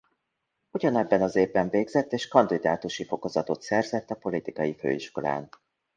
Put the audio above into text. Ugyanebben az évben végzett és kandidátusi fokozatot szerzett a Politikai Főiskolán.